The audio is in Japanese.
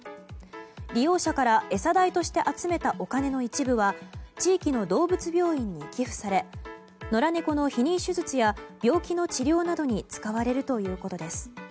利用者から餌代として集めたお金の一部は地域の動物病院に寄付され野良猫の避妊手術や病気の治療などに使われるということです。